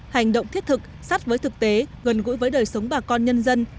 hành động thiết thực sát với thực tế gần gũi với đời sống bà con nhân dân